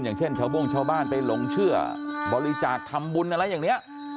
อย่างเช่นชาวโบ้งชาวบ้านไปหลงเชื่อบริจาคทำบุญอะไรอย่างนี้